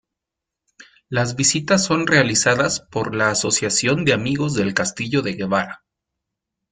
Las visitas son realizadas por la Asociación de Amigos del Castillo de Guevara.